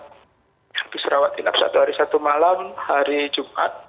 habis rawat inap satu hari satu malam hari jumat